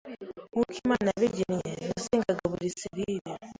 nkuko Imana yabigennye. Nasengaga buri selile,